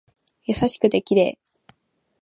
優しくて綺麗